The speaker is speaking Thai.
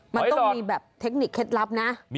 มันต้องมีแบบเทคนิคเคล็ดลับนะ